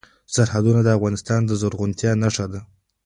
سرحدونه د افغانستان د زرغونتیا نښه ده.